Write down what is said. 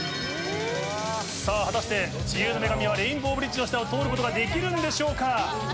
さぁ果たして自由の女神はレインボーブリッジの下を通ることができるんでしょうか？